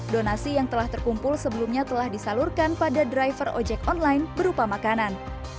donasi yang telah terkumpul sebelumnya telah disalurkan pada driver ojek online berupa makanan